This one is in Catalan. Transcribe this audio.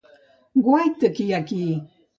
Guaita, qui hi ha aquí!